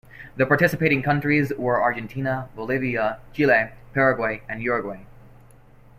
The participating countries were Argentina, Bolivia, Chile, Paraguay, and Uruguay.